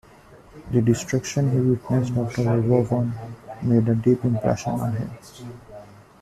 The destruction he witnessed after World War One made a deep impression on him.